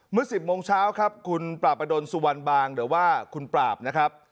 เมื่อ๑๐โมงเช้าครับคุณปราบประดนสุวรรณบางหรือว่าคุณปราบนะครับ